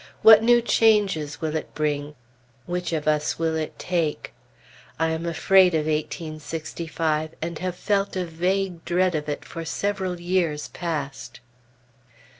What new changes will it bring? Which of us will it take? I am afraid of eighteen sixty five, and have felt a vague dread of it for several years past.